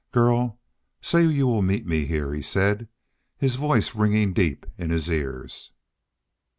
"Girl, say you will meet me here," he said, his voice ringing deep in his ears.